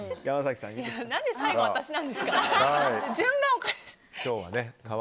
何で最後私なんですか？